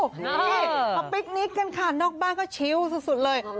นี่มาปิ๊กนิกกันค่ะนอกบ้านก็ชิวสุดเลย